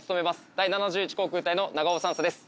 第７１航空隊の長尾３佐です。